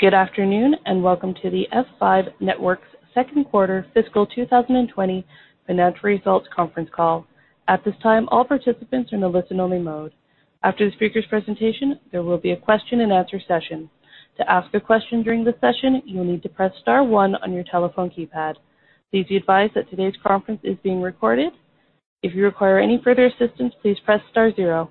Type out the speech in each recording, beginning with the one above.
Good afternoon, and welcome to the F5 Networks Q2 fiscal 2020 financial results conference call. At this time, all participants are in a listen only mode. After the speakers' presentation, there will be a question and answer session. To ask a question during the session, you will need to press star one on your telephone keypad. Please be advised that today's conference is being recorded. If you require any further assistance, please press star zero.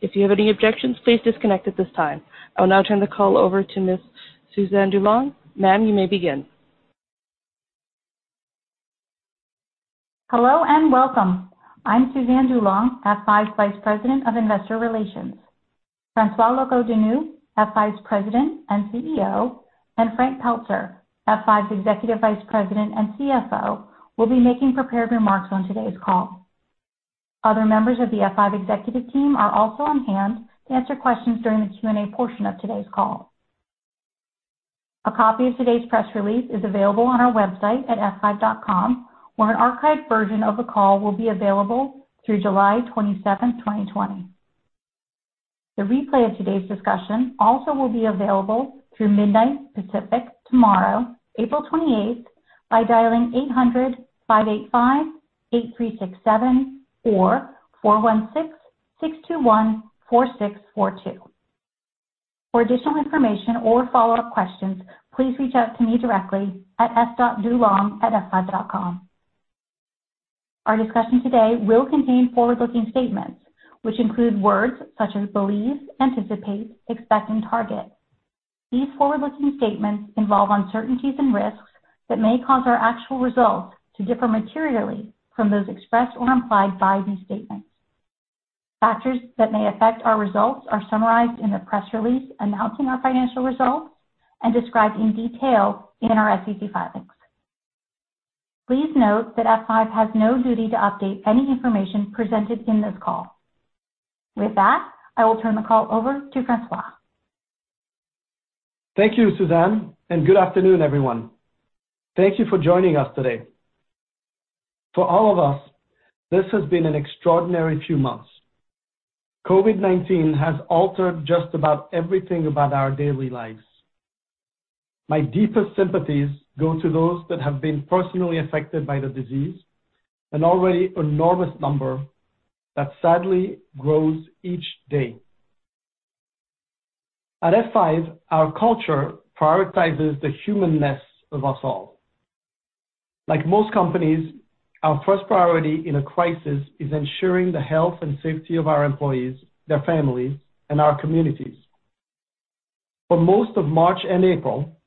If you have any objections, please disconnect at this time. I will now turn the call over to Ms. Suzanne DuLong. Ma'am, you may begin. Hello and welcome. I'm Suzanne DuLong, F5's Vice President of Investor Relations. François Locoh-Donou, F5's President and CEO, and Frank Pelzer, F5's Executive Vice President and CFO, will be making prepared remarks on today's call. Other members of the F5 executive team are also on hand to answer questions during the Q&A portion of today's call. A copy of today's press release is available on our website at f5.com, where an archived version of the call will be available through July 27th, 2020. The replay of today's discussion also will be available through midnight Pacific tomorrow, April 28th, by dialing 800-585-8367 or 416-621-4642. For additional information or follow-up questions, please reach out to me directly at s.dulong@f5.com. Our discussion today will contain forward-looking statements, which include words such as believe, anticipate, expect, and target. These forward-looking statements involve uncertainties and risks that may cause our actual results to differ materially from those expressed or implied by these statements. Factors that may affect our results are summarized in the press release announcing our financial results and described in detail in our SEC filings. Please note that F5 has no duty to update any information presented in this call. With that, I will turn the call over to François. Thank you, Suzanne, and good afternoon, everyone. Thank you for joining us today. For all of us, this has been an extraordinary few months. COVID-19 has altered just about everything about our daily lives. My deepest sympathies go to those that have been personally affected by the disease, an already enormous number that sadly grows each day. At F5, our culture prioritizes the humanness of us all. Like most companies, our first priority in a crisis is ensuring the health and safety of our employees, their families, and our communities. For most of March and April,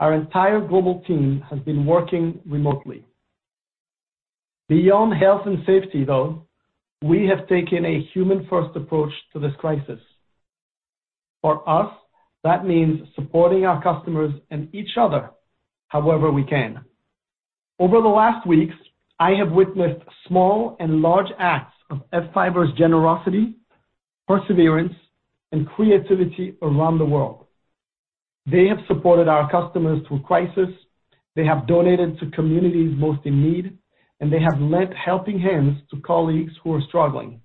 our entire global team has been working remotely. Beyond health and safety, though, we have taken a human-first approach to this crisis. For us, that means supporting our customers and each other however we can. Over the last weeks, I have witnessed small and large acts of F5'ers generosity, perseverance, and creativity around the world. They have supported our customers through crisis, they have donated to communities most in need, and they have lent helping hands to colleagues who are struggling.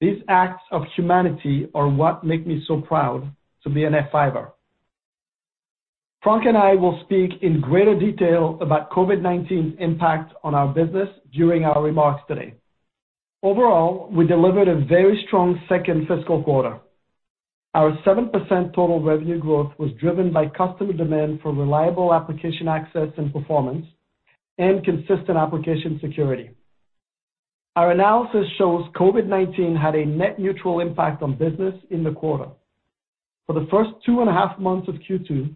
These acts of humanity are what make me so proud to be an F5'er. Frank and I will speak in greater detail about COVID-19's impact on our business during our remarks today. Overall, we delivered a very strong second fiscal quarter. Our 7% total revenue growth was driven by customer demand for reliable application access and performance and consistent application security. Our analysis shows COVID-19 had a net neutral impact on business in the quarter. For the first two and a half months of Q2,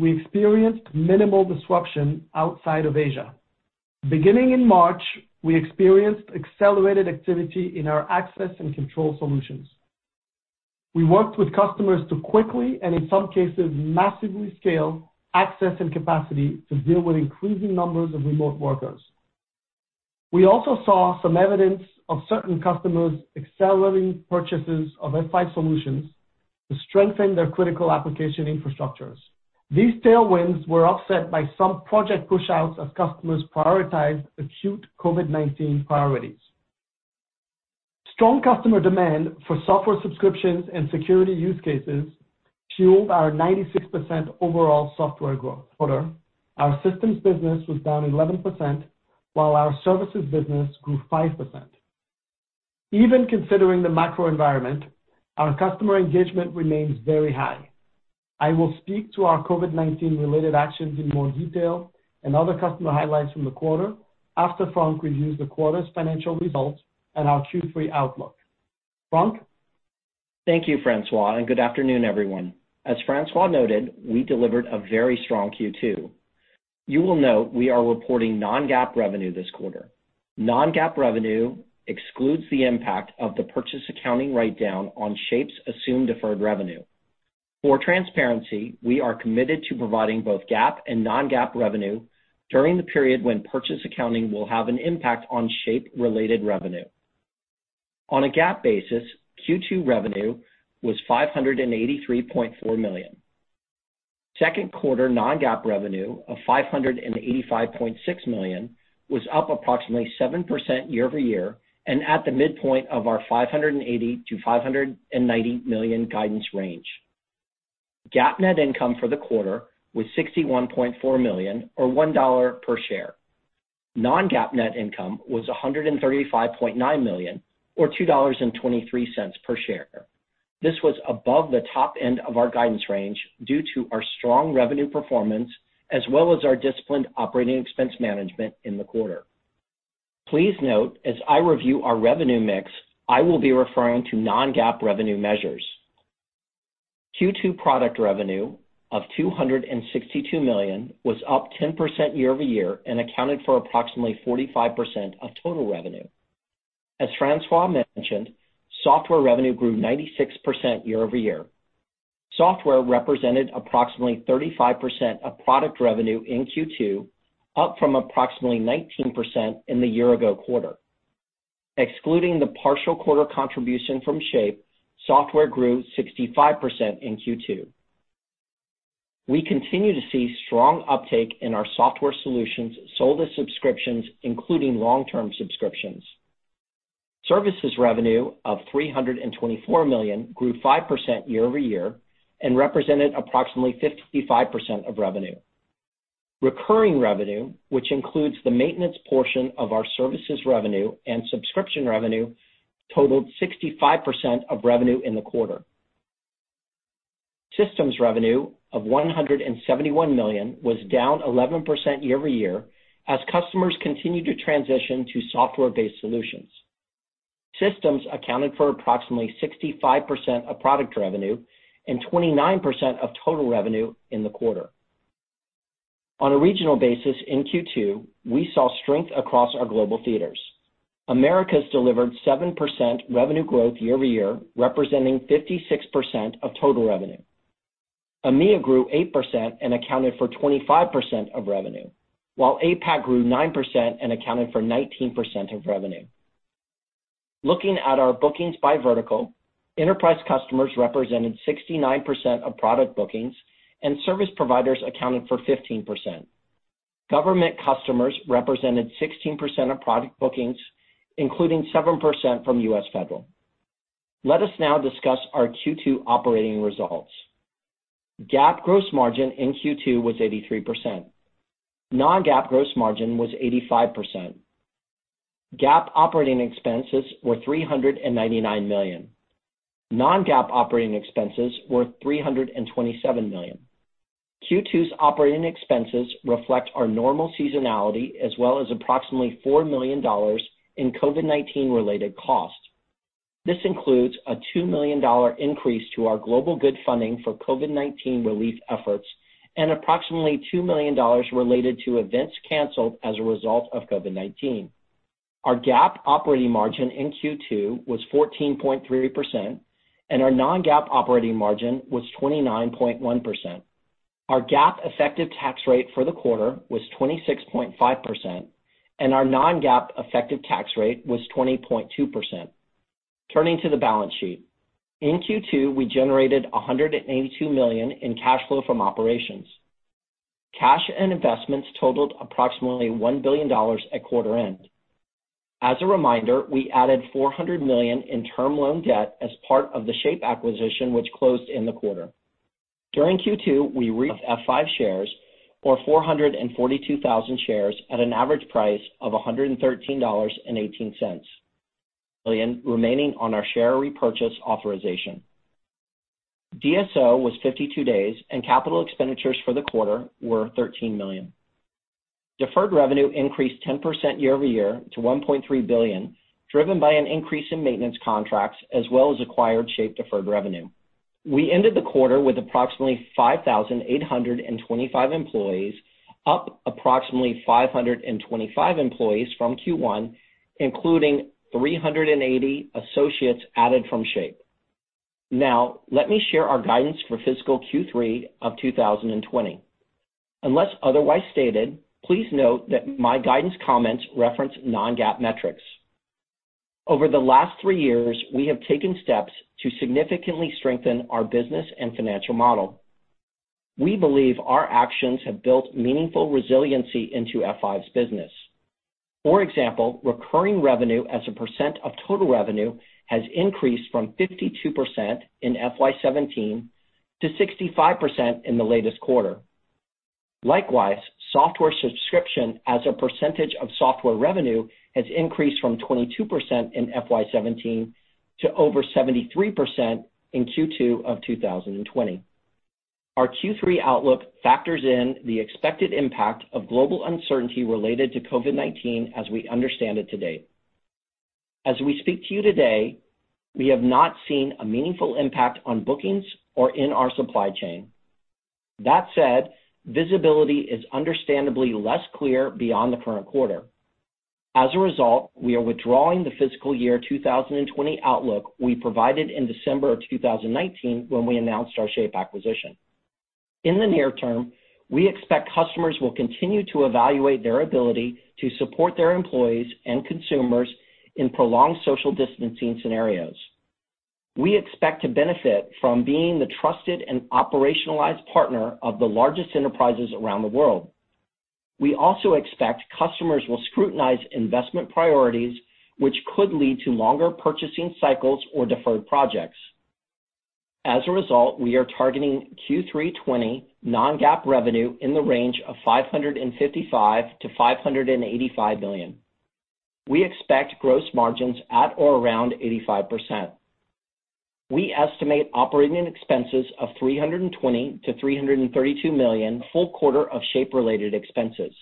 we experienced minimal disruption outside of Asia. Beginning in March, we experienced accelerated activity in our access and control solutions. We worked with customers to quickly and, in some cases, massively scale access and capacity to deal with increasing numbers of remote workers. We also saw some evidence of certain customers accelerating purchases of F5 solutions to strengthen their critical application infrastructures. These tailwinds were offset by some project pushouts as customers prioritized acute COVID-19 priorities. Strong customer demand for software subscriptions and security use cases fueled our 96% overall software growth. Further, our systems business was down 11%, while our services business grew 5%. Even considering the macro environment, our customer engagement remains very high. I will speak to our COVID-19 related actions in more detail and other customer highlights from the quarter after Frank reviews the quarter's financial results and our Q3 outlook. Frank? Thank you, François, and good afternoon, everyone. As François noted, we delivered a very strong Q2. You will note we are reporting non-GAAP revenue this quarter. Non-GAAP revenue excludes the impact of the purchase accounting write-down on Shape's assumed deferred revenue. For transparency, we are committed to providing both GAAP and non-GAAP revenue during the period when purchase accounting will have an impact on Shape-related revenue. On a GAAP basis, Q2 revenue was $583.4 million. Q2 non-GAAP revenue of $585.6 million was up approximately 7% year-over-year and at the midpoint of our $580 million-$590 million guidance range. GAAP net income for the quarter was $61.4 million or $1 per share. Non-GAAP net income was $135.9 million or $2.23 per share. This was above the top end of our guidance range due to our strong revenue performance as well as our disciplined operating expense management in the quarter. Please note as I review our revenue mix, I will be referring to non-GAAP revenue measures. Q2 product revenue of $262 million was up 10% year-over-year and accounted for approximately 45% of total revenue. As François mentioned, software revenue grew 96% year-over-year. Software represented approximately 35% of product revenue in Q2, up from approximately 19% in the year-ago quarter. Excluding the partial quarter contribution from Shape, software grew 65% in Q2. We continue to see strong uptake in our software solutions sold as subscriptions, including long-term subscriptions. Services revenue of $324 million grew 5% year-over-year and represented approximately 55% of revenue. Recurring revenue, which includes the maintenance portion of our services revenue and subscription revenue, totaled 65% of revenue in the quarter. Systems revenue of $171 million was down 11% year-over-year as customers continued to transition to software-based solutions. Systems accounted for approximately 65% of product revenue and 29% of total revenue in the quarter. On a regional basis in Q2, we saw strength across our global theaters. Americas delivered 7% revenue growth year-over-year, representing 56% of total revenue. EMEA grew 8% and accounted for 25% of revenue, while APAC grew 9% and accounted for 19% of revenue. Looking at our bookings by vertical, enterprise customers represented 69% of product bookings and service providers accounted for 15%. Government customers represented 16% of product bookings, including 7% from U.S. Federal. Let us now discuss our Q2 operating results. GAAP gross margin in Q2 was 83%. Non-GAAP gross margin was 85%. GAAP operating expenses were $399 million. Non-GAAP operating expenses were $327 million. Q2's operating expenses reflect our normal seasonality as well as approximately $4 million in COVID-19 related costs. This includes a $2 million increase to our Global Good funding for COVID-19 relief efforts and approximately $2 million related to events canceled as a result of COVID-19. Our GAAP operating margin in Q2 was 14.3%, and our non-GAAP operating margin was 29.1%. Our GAAP effective tax rate for the quarter was 26.5%, and our non-GAAP effective tax rate was 20.2%. Turning to the balance sheet. In Q2, we generated $182 million in cash flow from operations. Cash and investments totaled approximately $1 billion at quarter end. As a reminder, we added $400 million in term loan debt as part of the Shape acquisition, which closed in the quarter. During Q2, we 5 shares or 442,000 shares at an average price of $113.18 remaining on our share repurchase authorization. DSO was 52 days and capital expenditures for the quarter were $13 million. Deferred revenue increased 10% year-over-year to $1.3 billion, driven by an increase in maintenance contracts as well as acquired Shape deferred revenue. We ended the quarter with approximately 5,825 employees, up approximately 525 employees from Q1, including 380 associates added from Shape. Let me share our guidance for fiscal Q3 of 2020. Unless otherwise stated, please note that my guidance comments reference non-GAAP metrics. Over the last three years, we have taken steps to significantly strengthen our business and financial model. We believe our actions have built meaningful resiliency into F5's business. For example, recurring revenue as a % of total revenue has increased from 52% in FY 2017 to 65% in the latest quarter. Likewise, software subscription as a % of software revenue has increased from 22% in FY 2017 to over 73% in Q2 of 2020. Our Q3 outlook factors in the expected impact of global uncertainty related to COVID-19 as we understand it today. As we speak to you today, we have not seen a meaningful impact on bookings or in our supply chain. That said, visibility is understandably less clear beyond the current quarter. As a result, we are withdrawing the fiscal year 2020 outlook we provided in December of 2019 when we announced our Shape acquisition. In the near term, we expect customers will continue to evaluate their ability to support their employees and consumers in prolonged social distancing scenarios. We expect to benefit from being the trusted and operationalized partner of the largest enterprises around the world. We also expect customers will scrutinize investment priorities, which could lead to longer purchasing cycles or deferred projects. As a result, we are targeting Q3 '20 non-GAAP revenue in the range of $555 million-$585 million. We expect gross margins at or around 85%. We estimate operating expenses of $320 million-$332 million full quarter of Shape related expenses.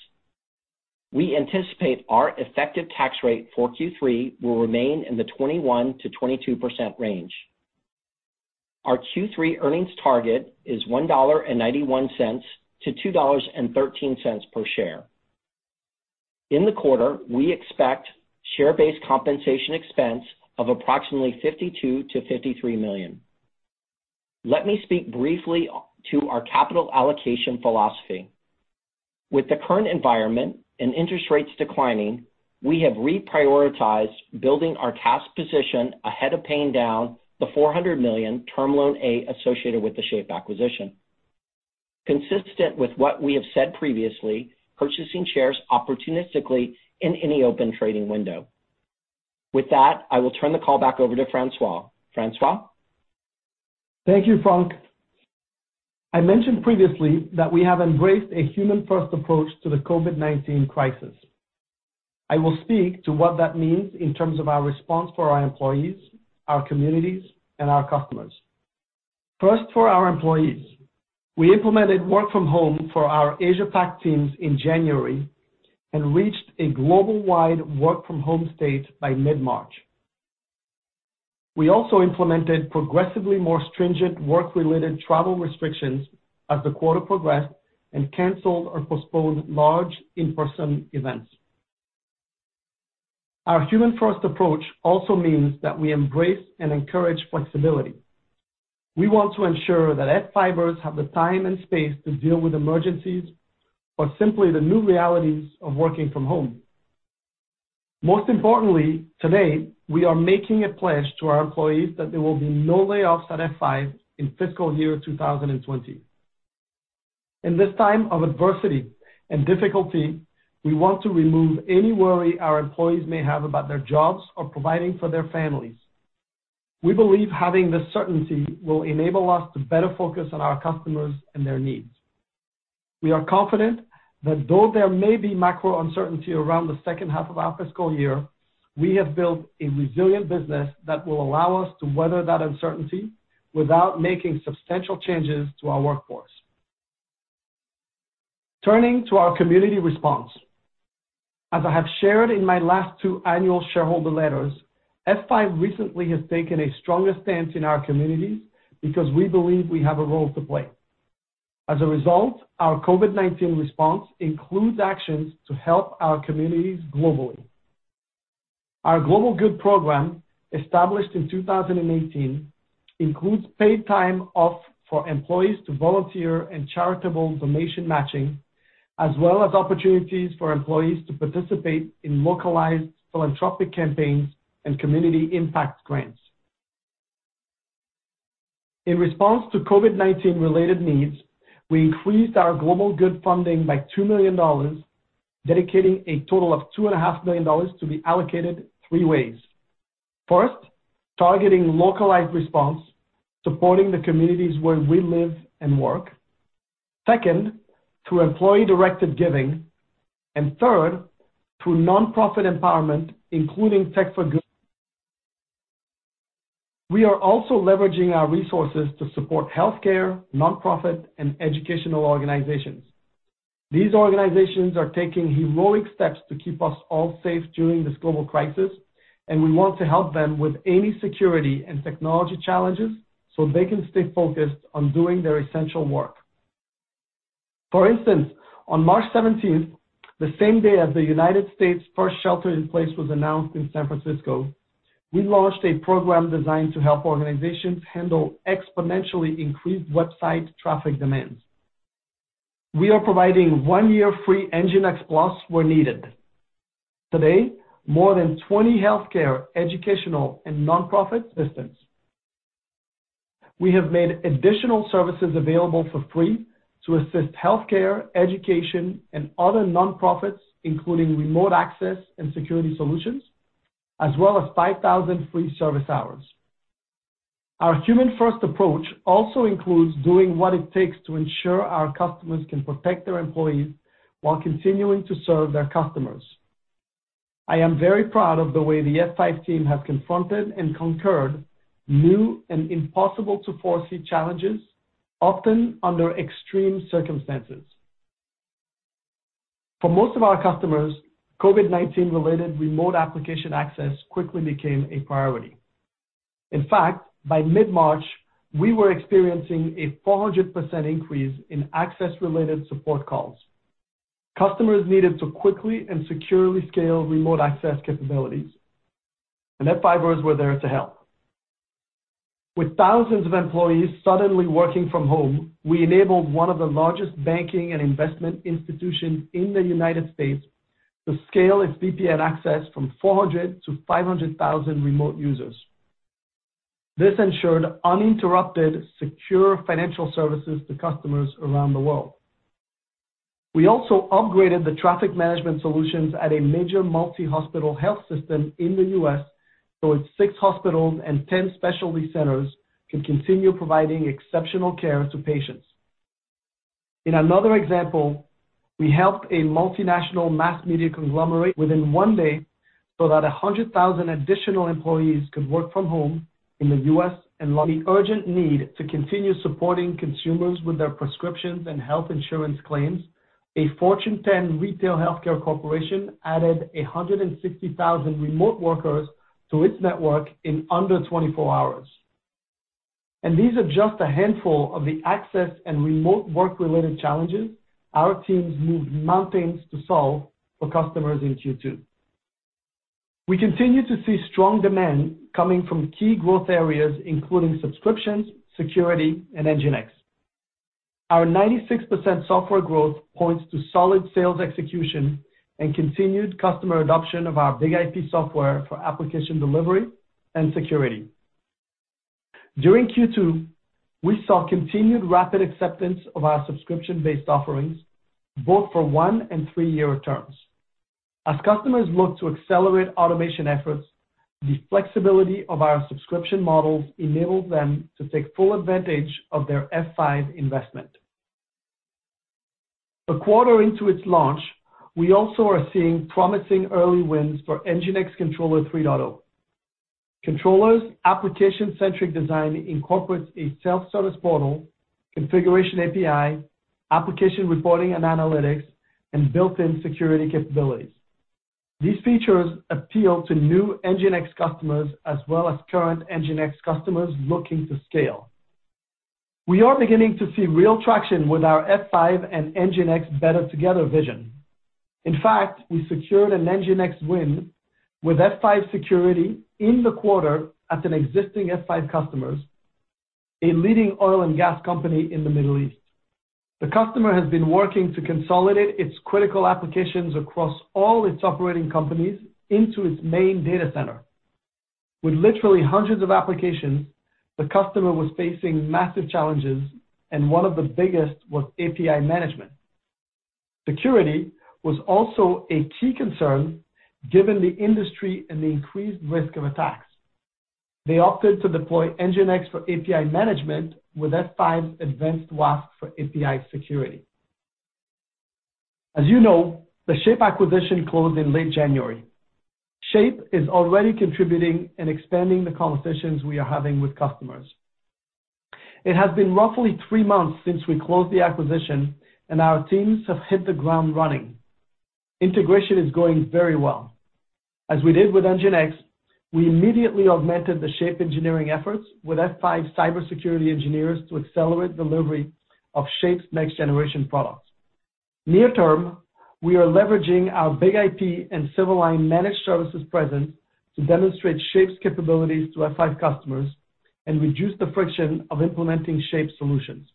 We anticipate our effective tax rate for Q3 will remain in the 21%-22% range. Our Q3 earnings target is $1.91-$2.13 per share. In the quarter, we expect share-based compensation expense of approximately $52 million-$53 million. Let me speak briefly to our capital allocation philosophy. With the current environment and interest rates declining, we have reprioritized building our cash position ahead of paying down the $400 million term loan A associated with the Shape acquisition. Consistent with what we have said previously, purchasing shares opportunistically in any open trading window. With that, I will turn the call back over to François. François? Thank you, Frank. I mentioned previously that we have embraced a human-first approach to the COVID-19 crisis. I will speak to what that means in terms of our response for our employees, our communities, and our customers. First, for our employees. We implemented work from home for our Asia Pac teams in January and reached a global-wide work from home state by mid-March. We also implemented progressively more stringent work-related travel restrictions as the quarter progressed and canceled or postponed large in-person events. Our human-first approach also means that we embrace and encourage flexibility. We want to ensure that F5ers have the time and space to deal with emergencies or simply the new realities of working from home. Most importantly, today, we are making a pledge to our employees that there will be no layoffs at F5 in fiscal year 2020. In this time of adversity and difficulty, we want to remove any worry our employees may have about their jobs or providing for their families. We believe having this certainty will enable us to better focus on our customers and their needs. We are confident that though there may be macro uncertainty around the H2 of our fiscal year, we have built a resilient business that will allow us to weather that uncertainty without making substantial changes to our workforce. Turning to our community response. As I have shared in my last two annual shareholder letters, F5 recently has taken a stronger stance in our communities because we believe we have a role to play. As a result, our COVID-19 response includes actions to help our communities globally. Our Global Good program, established in 2018, includes paid time off for employees to volunteer and charitable donation matching, as well as opportunities for employees to participate in localized philanthropic campaigns and community impact grants. In response to COVID-19 related needs, we increased our Global Good funding by $2 million, dedicating a total of $2.5 million to be allocated three ways. First, targeting localized response, supporting the communities where we live and work. Second, through employee-directed giving. Third, through nonprofit empowerment, including Tech for Good. We are also leveraging our resources to support healthcare, nonprofit, and educational organizations. These organizations are taking heroic steps to keep us all safe during this global crisis, and we want to help them with any security and technology challenges so they can stay focused on doing their essential work. For instance, on March 17th, the same day as the U.S.'s first shelter in place was announced in San Francisco, we launched a program designed to help organizations handle exponentially increased website traffic demands. We are providing one year free NGINX Plus where needed. Today, more than 20 healthcare, educational, and nonprofit assistance. We have made additional services available for free to assist healthcare, education, and other nonprofits, including remote access and security solutions, as well as 5,000 free service hours. Our human first approach also includes doing what it takes to ensure our customers can protect their employees while continuing to serve their customers. I am very proud of the way the F5 team has confronted and conquered new and impossible to foresee challenges, often under extreme circumstances. For most of our customers, COVID-19 related remote application access quickly became a priority. In fact, by mid-March, we were experiencing a 400% increase in access related support calls. Customers needed to quickly and securely scale remote access capabilities, and F5ers were there to help. With thousands of employees suddenly working from home, we enabled one of the largest banking and investment institutions in the United States to scale its VPN access from 400-500,000 remote users. This ensured uninterrupted, secure financial services to customers around the world. We also upgraded the traffic management solutions at a major multi-hospital health system in the U.S., so its six hospitals and 10 specialty centers can continue providing exceptional care to patients. In another example, we helped a multinational mass media conglomerate within one day so that 100,000 additional employees could work from home in the U.S. The urgent need to continue supporting consumers with their prescriptions and health insurance claims, a Fortune 10 retail healthcare corporation added 160,000 remote workers to its network in under 24 hours. These are just a handful of the access and remote work-related challenges our teams moved mountains to solve for customers in Q2. We continue to see strong demand coming from key growth areas, including subscriptions, security, and NGINX. Our 96% software growth points to solid sales execution and continued customer adoption of our BIG-IP software for application delivery and security. During Q2, we saw continued rapid acceptance of our subscription-based offerings, both for one and three-year terms. As customers look to accelerate automation efforts, the flexibility of our subscription models enables them to take full advantage of their F5 investment. A quarter into its launch, we also are seeing promising early wins for NGINX Controller 3.0. Controller's application-centric design incorporates a self-service portal, configuration API, application reporting and analytics, and built-in security capabilities. These features appeal to new NGINX customers as well as current NGINX customers looking to scale. We are beginning to see real traction with our F5 and NGINX Better Together vision. In fact, we secured an NGINX win with F5 Security in the quarter at an existing F5 customers, a leading oil and gas company in the Middle East. The customer has been working to consolidate its critical applications across all its operating companies into its main data center. With literally hundreds of applications, the customer was facing massive challenges, and one of the biggest was API management. Security was also a key concern given the industry and the increased risk of attacks. They opted to deploy NGINX for API management with F5's advanced WAF for API security. As you know, the Shape acquisition closed in late January. Shape is already contributing and expanding the conversations we are having with customers. It has been roughly three months since we closed the acquisition, and our teams have hit the ground running. Integration is going very well. As we did with NGINX, we immediately augmented the Shape engineering efforts with F5 cybersecurity engineers to accelerate delivery of Shape's next-generation products. Near term, we are leveraging our BIG-IP and Silverline managed services presence to demonstrate Shape's capabilities to F5 customers and reduce the friction of implementing Shape solutions.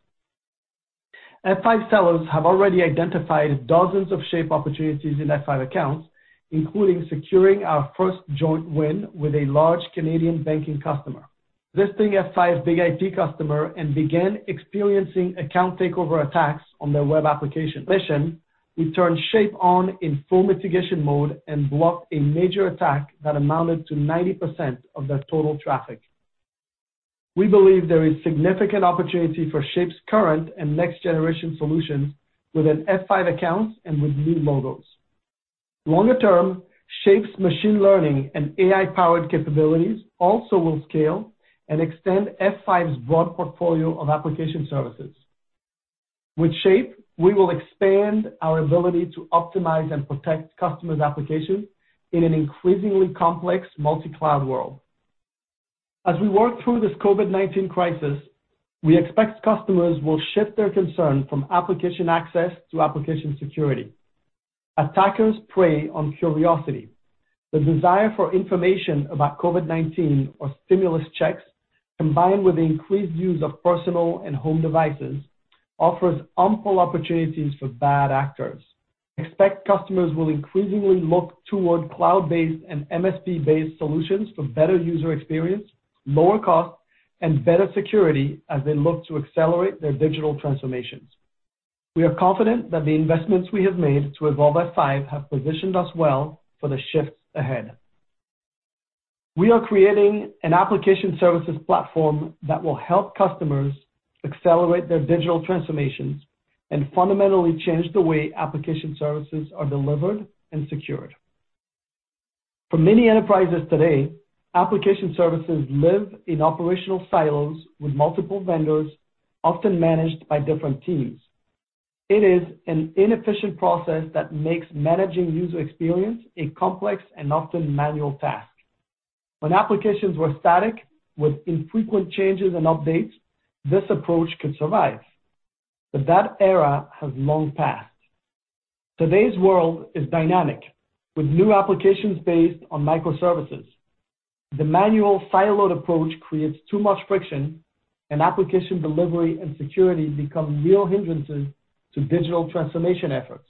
F5 sellers have already identified dozens of Shape opportunities in F5 accounts, including securing our first joint win with a large Canadian banking customer. Existing F5 BIG-IP customer and began experiencing account takeover attacks on their web application. We turned Shape on in full mitigation mode and blocked a major attack that amounted to 90% of their total traffic. We believe there is significant opportunity for Shape's current and next-generation solutions within F5 accounts and with new logos. Longer term, Shape's machine learning and AI-powered capabilities also will scale and extend F5's broad portfolio of application services. With Shape, we will expand our ability to optimize and protect customers' applications in an increasingly complex multi-cloud world. As we work through this COVID-19 crisis, we expect customers will shift their concern from application access to application security. Attackers prey on curiosity. The desire for information about COVID-19 or stimulus checks, combined with the increased use of personal and home devices, offers ample opportunities for bad actors. Expect customers will increasingly look toward cloud-based and MSP-based solutions for better user experience, lower cost, and better security as they look to accelerate their digital transformations. We are confident that the investments we have made to evolve F5 have positioned us well for the shifts ahead. We are creating an application services platform that will help customers accelerate their digital transformations and fundamentally change the way application services are delivered and secured. For many enterprises today, application services live in operational silos with multiple vendors, often managed by different teams. It is an inefficient process that makes managing user experience a complex and often manual task. When applications were static with infrequent changes and updates, this approach could survive, but that era has long passed. Today's world is dynamic, with new applications based on microservices. The manual siloed approach creates too much friction, and application delivery and security become real hindrances to digital transformation efforts.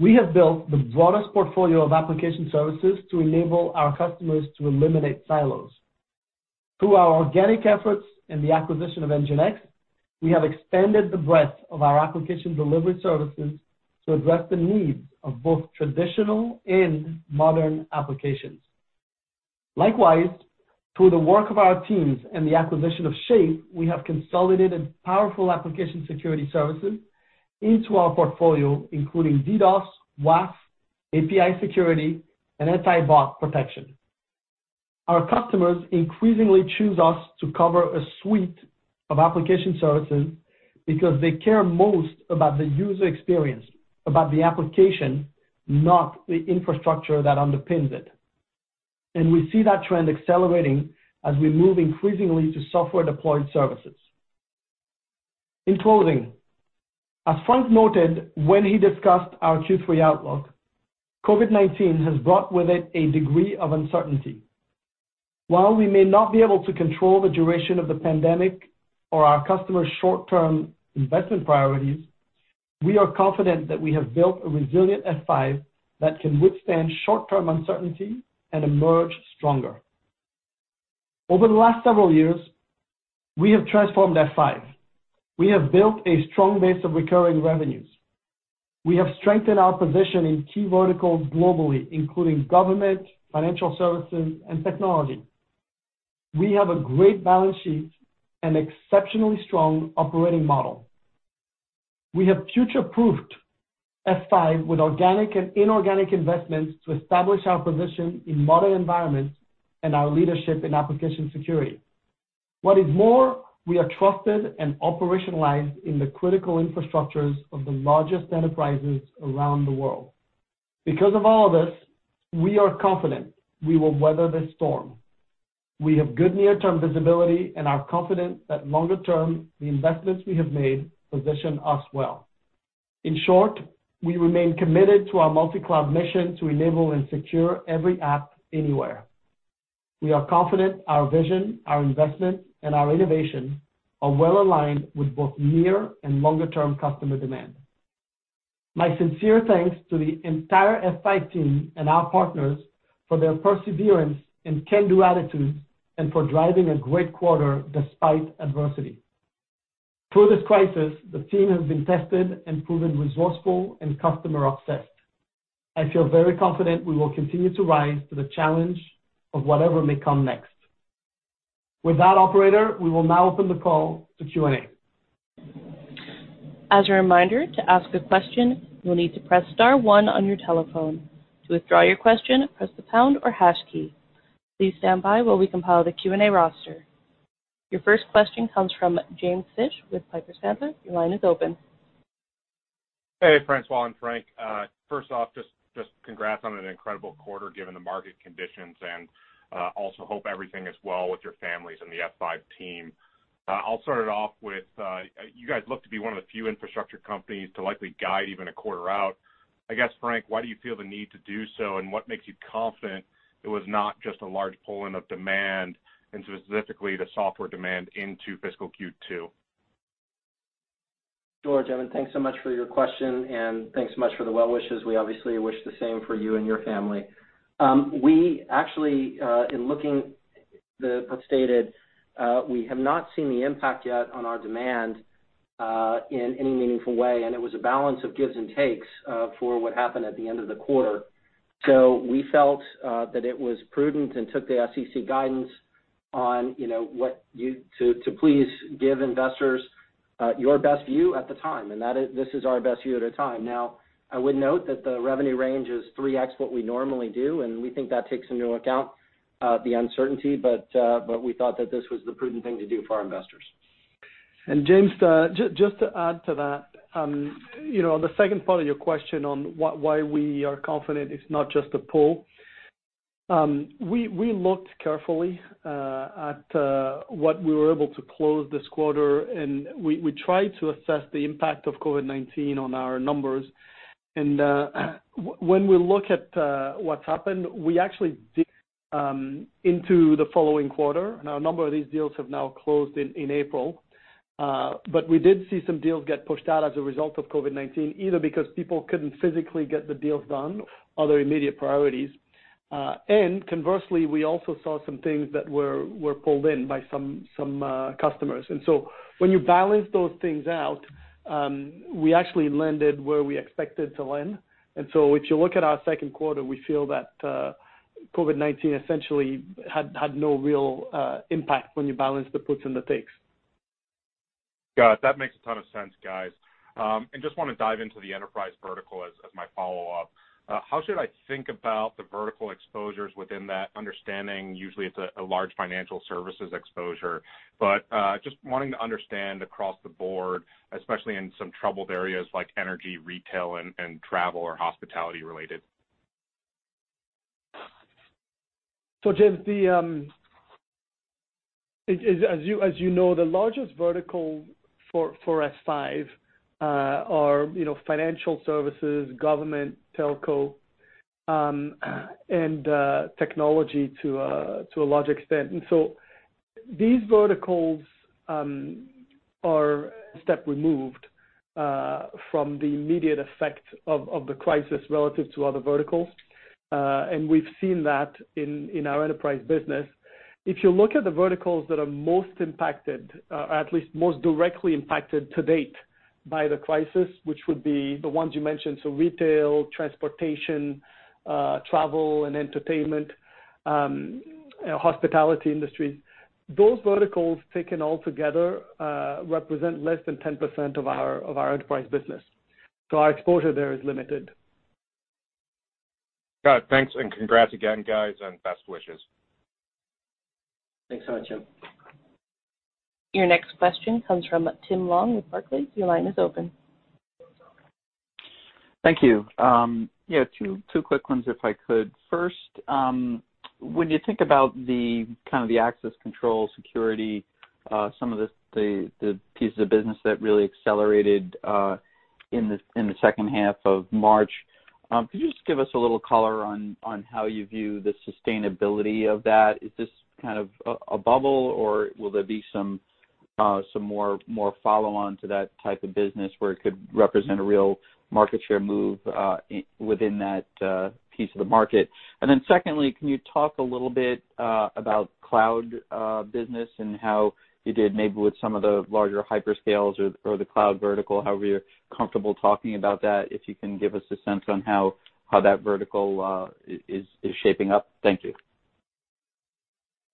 We have built the broadest portfolio of application services to enable our customers to eliminate silos. Through our organic efforts and the acquisition of NGINX, we have expanded the breadth of our application delivery services to address the needs of both traditional and modern applications. Likewise, through the work of our teams and the acquisition of Shape Security, we have consolidated powerful application security services into our portfolio, including DDoS, WAF, API security, and anti-bot protection. Our customers increasingly choose us to cover a suite of application services because they care most about the user experience, about the application, not the infrastructure that underpins it. We see that trend accelerating as we move increasingly to software-deployed services. In closing, as Frank noted when he discussed our Q3 outlook, COVID-19 has brought with it a degree of uncertainty. While we may not be able to control the duration of the pandemic or our customers' short-term investment priorities, we are confident that we have built a resilient F5 that can withstand short-term uncertainty and emerge stronger. Over the last several years, we have transformed F5. We have built a strong base of recurring revenues. We have strengthened our position in key verticals globally, including government, financial services, and technology. We have a great balance sheet and exceptionally strong operating model. We have future-proofed F5 with organic and inorganic investments to establish our position in modern environments and our leadership in application security. What is more, we are trusted and operationalized in the critical infrastructures of the largest enterprises around the world. Because of all of this, we are confident we will weather this storm. We have good near-term visibility and are confident that longer term, the investments we have made position us well. In short, we remain committed to our multi-cloud mission to enable and secure every app anywhere. We are confident our vision, our investment, and our innovation are well-aligned with both near and longer-term customer demand. My sincere thanks to the entire F5 team and our partners for their perseverance and can-do attitude and for driving a great quarter despite adversity. Through this crisis, the team has been tested and proven resourceful and customer obsessed. I feel very confident we will continue to rise to the challenge of whatever may come next. With that, operator, we will now open the call to Q&A. As a reminder, to ask a question, you will need to press star one on your telephone. To withdraw your question, press the pound or hash key. Please stand by while we compile the Q&A roster. Your first question comes from Jim Fish with Piper Sandler. Your line is open. Hey, François and Frank. First off, just congrats on an incredible quarter given the market conditions, also hope everything is well with your families and the F5 team. I'll start it off with, you guys look to be one of the few infrastructure companies to likely guide even a quarter out. I guess, Frank, why do you feel the need to do so, what makes you confident it was not just a large pull-in of demand, and specifically the software demand into fiscal Q2? Sure, Jim, thanks so much for your question, and thanks so much for the well wishes. We obviously wish the same for you and your family. We actually, in looking as stated, we have not seen the impact yet on our demand in any meaningful way, and it was a balance of gives and takes for what happened at the end of the quarter. We felt that it was prudent and took the SEC guidance on to please give investors your best view at the time, and this is our best view at a time. Now, I would note that the revenue range is 3x what we normally do, and we think that takes into account the uncertainty, but we thought that this was the prudent thing to do for our investors. Jim, just to add to that, on the second part of your question on why we are confident it's not just a pull. We looked carefully at what we were able to close this quarter, and we tried to assess the impact of COVID-19 on our numbers. When we look at what's happened, we actually dip into the following quarter. Now, a number of these deals have now closed in April. We did see some deals get pushed out as a result of COVID-19, either because people couldn't physically get the deals done, other immediate priorities. Conversely, we also saw some things that were pulled in by some customers. When you balance those things out, we actually landed where we expected to land. If you look at our Q2, we feel that COVID-19 essentially had no real impact when you balance the puts and the takes. Got it. That makes a ton of sense, guys. Just want to dive into the enterprise vertical as my follow-up. How should I think about the vertical exposures within that understanding usually it's a large financial services exposure. Just wanting to understand across the board, especially in some troubled areas like energy, retail, and travel or hospitality related. Jim, As you know, the largest vertical for F5 are financial services, government, telco, and technology to a large extent. These verticals are a step removed from the immediate effect of the crisis relative to other verticals. We've seen that in our enterprise business. If you look at the verticals that are most impacted, or at least most directly impacted to date by the crisis, which would be the ones you mentioned, so retail, transportation, travel and entertainment, hospitality industries. Those verticals, taken all together, represent less than 10% of our enterprise business. Our exposure there is limited. Got it. Thanks and congrats again, guys, and best wishes. Thanks so much, Jim. Your next question comes from Tim Long with Barclays. Your line is open. Thank you. Yeah, two quick ones if I could. First, when you think about the kind of the access control security, some of the pieces of business that really accelerated in the H2 of March, could you just give us a little color on how you view the sustainability of that? Is this kind of a bubble, or will there be some more follow-on to that type of business where it could represent a real market share move within that piece of the market? Secondly, can you talk a little bit about cloud business and how you did maybe with some of the larger hyperscales or the cloud vertical, however you're comfortable talking about that, if you can give us a sense on how that vertical is shaping up. Thank you.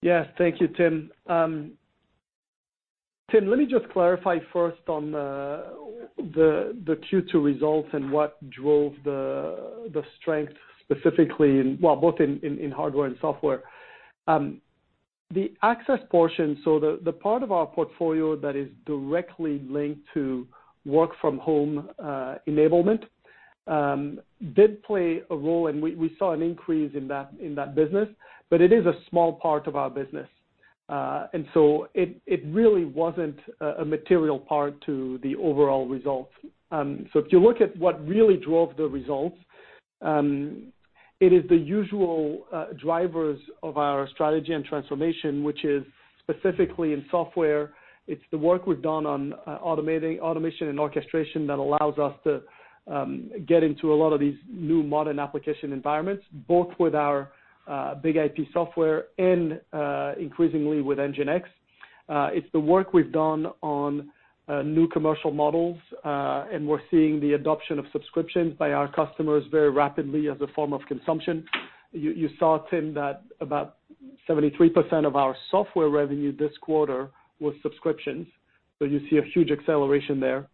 Yes. Thank you, Tim. Tim, let me just clarify first on the Q2 results and what drove the strength specifically in, well, both in hardware and software. The access portion, so the part of our portfolio that is directly linked to work from home enablement, did play a role, and we saw an increase in that business, but it is a small part of our business. It really wasn't a material part to the overall result. If you look at what really drove the results, it is the usual drivers of our strategy and transformation, which is specifically in software. It's the work we've done on automation and orchestration that allows us to get into a lot of these new modern application environments, both with our BIG-IP software and increasingly with NGINX. It's the work we've done on new commercial models, and we're seeing the adoption of subscriptions by our customers very rapidly as a form of consumption. You saw, Tim, that about 73% of our software revenue this quarter was subscriptions. You see a huge acceleration there.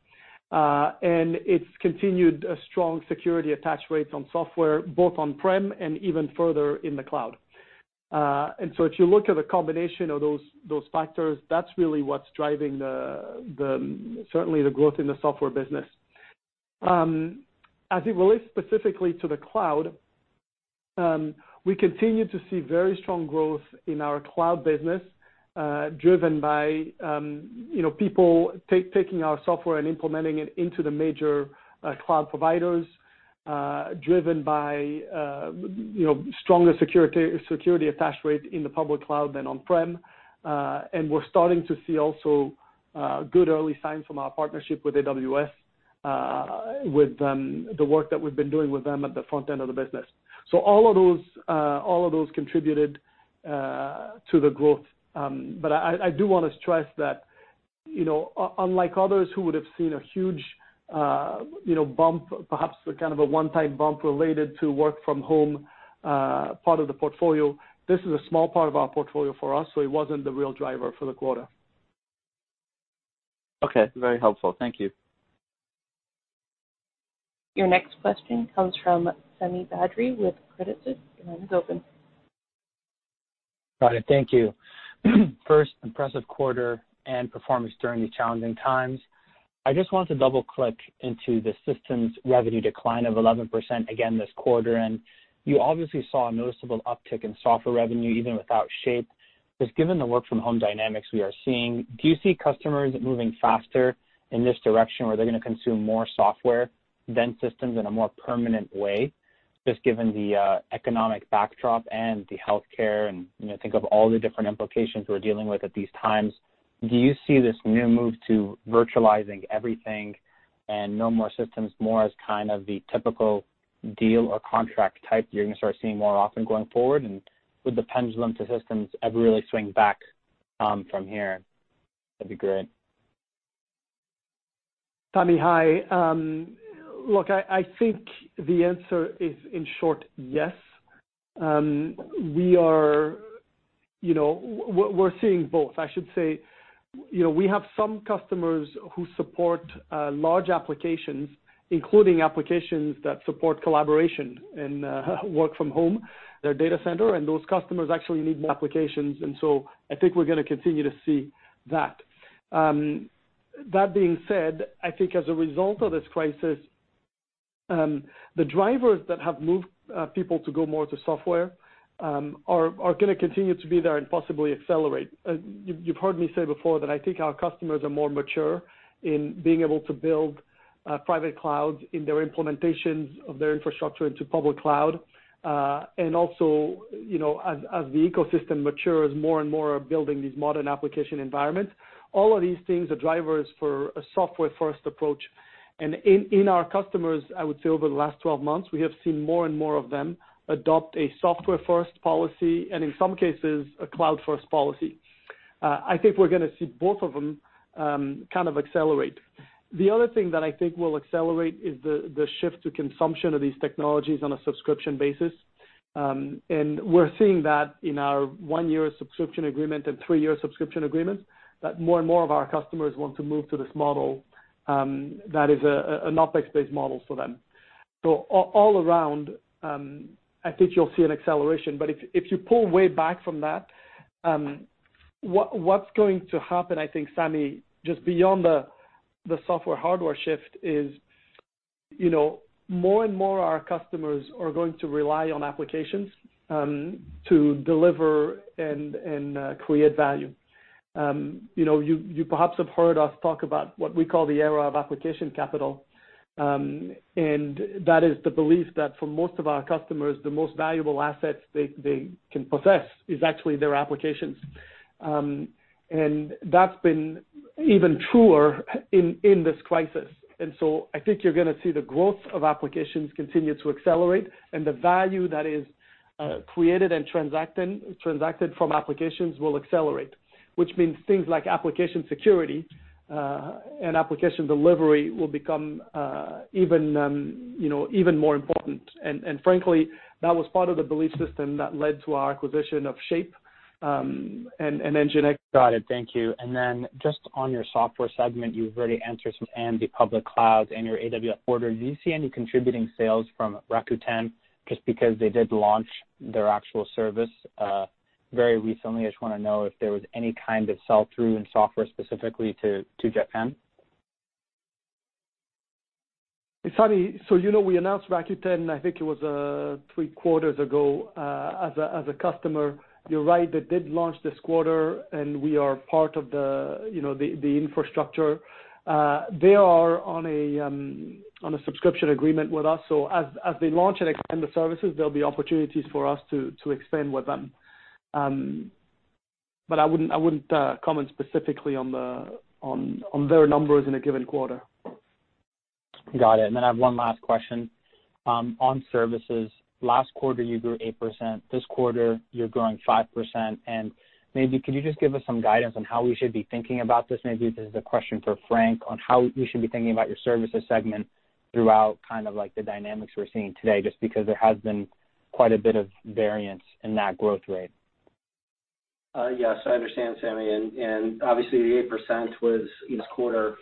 It's continued a strong security attach rate on software, both on-prem and even further in the cloud. If you look at the combination of those factors, that's really what's driving certainly the growth in the software business. As it relates specifically to the cloud, we continue to see very strong growth in our cloud business, driven by people taking our software and implementing it into the major cloud providers, driven by stronger security attach rate in the public cloud than on-prem. We're starting to see also good early signs from our partnership with AWS, with the work that we've been doing with them at the front end of the business. All of those contributed to the growth. I do want to stress that unlike others who would have seen a huge bump, perhaps a kind of a one-time bump related to work from home part of the portfolio, this is a small part of our portfolio for us, so it wasn't the real driver for the quarter. Okay. Very helpful. Thank you. Your next question comes from Sami Badri with Credit Suisse. Your line is open. Got it. Thank you. First, impressive quarter and performance during these challenging times. I just want to double-click into the systems revenue decline of 11% again this quarter. You obviously saw a noticeable uptick in software revenue even without Shape. Just given the work from home dynamics we are seeing, do you see customers moving faster in this direction where they're going to consume more software than systems in a more permanent way? Just given the economic backdrop and the healthcare and think of all the different implications we're dealing with at these times. Do you see this new move to virtualizing everything and no more systems more as kind of the typical deal or contract type you're going to start seeing more often going forward? Would the pendulum to systems ever really swing back from here? That'd be great. Sami, hi. I think the answer is, in short, yes. We're seeing both, I should say. We have some customers who support large applications, including applications that support collaboration and work from home, their data center, and those customers actually need more applications, and so I think we're going to continue to see that. That being said, I think as a result of this crisis. The drivers that have moved people to go more to software are going to continue to be there and possibly accelerate. You've heard me say before that I think our customers are more mature in being able to build private clouds in their implementations of their infrastructure into public cloud. As the ecosystem matures, more and more are building these modern application environments. All of these things are drivers for a software-first approach. In our customers, I would say over the last 12 months, we have seen more and more of them adopt a software-first policy, and in some cases, a cloud-first policy. I think we're going to see both of them kind of accelerate. The other thing that I think will accelerate is the shift to consumption of these technologies on a subscription basis. We're seeing that in our one-year subscription agreement and three-year subscription agreements, that more and more of our customers want to move to this model that is an OPEX-based model for them. All around, I think you'll see an acceleration. If you pull way back from that, what's going to happen, I think, Sami, just beyond the software hardware shift is more and more our customers are going to rely on applications to deliver and create value. You perhaps have heard us talk about what we call the era of application capital, and that is the belief that for most of our customers, the most valuable assets they can possess is actually their applications. That's been even truer in this crisis. I think you're going to see the growth of applications continue to accelerate and the value that is created and transacted from applications will accelerate, which means things like application security and application delivery will become even more important. Frankly, that was part of the belief system that led to our acquisition of Shape and NGINX. Got it. Thank you. Then just on your software segment, you've already answered some, and the public cloud and your AWS order, do you see any contributing sales from Rakuten just because they did launch their actual service very recently? I just want to know if there was any kind of sell-through in software specifically to Japan. Sami, you know we announced Rakuten, I think it was three quarters ago, as a customer. You're right, they did launch this quarter, and we are part of the infrastructure. They are on a subscription agreement with us. As they launch and expand the services, there'll be opportunities for us to expand with them. I wouldn't comment specifically on their numbers in a given quarter. Got it. I have one last question. On services, last quarter you grew 8%, this quarter you're growing 5%. Maybe could you just give us some guidance on how we should be thinking about this? Maybe this is a question for Frank on how we should be thinking about your services segment throughout the dynamics we're seeing today, just because there has been quite a bit of variance in that growth rate. Yes, I understand, Sami, and obviously the 8% was this quarter.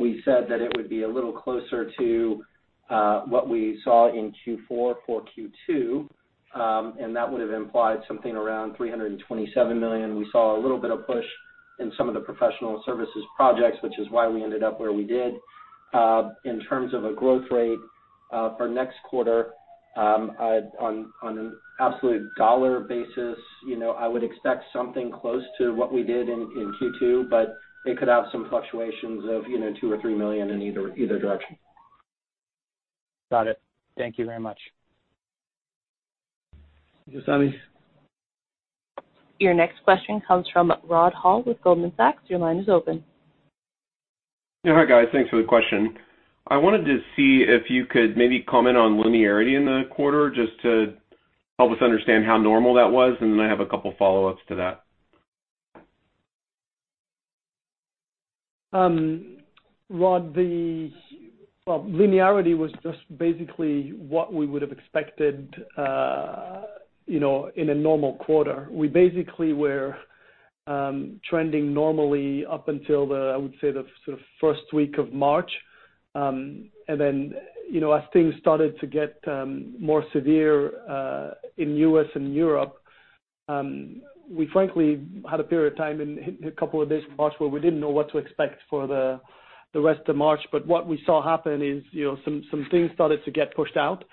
We said that it would be a little closer to what we saw in Q4 for Q2, and that would have implied something around $327 million. We saw a little bit of push in some of the professional services projects, which is why we ended up where we did. In terms of a growth rate for next quarter, on an absolute dollar basis I would expect something close to what we did in Q2, but it could have some fluctuations of $2 million or $3 million in either direction. Got it. Thank you very much. Thank you, Sami. Your next question comes from Rod Hall with Goldman Sachs. Your line is open. Yeah. Hi, guys. Thanks for the question. I wanted to see if you could maybe comment on linearity in the quarter just to help us understand how normal that was, and then I have a couple follow-ups to that. Rod, the linearity was just basically what we would have expected in a normal quarter. We basically were trending normally up until the first week of March. As things started to get more severe in U.S. and Europe, we frankly had a period of time in a couple of days in March where we didn't know what to expect for the rest of March. What we saw happen is some things started to get pushed out.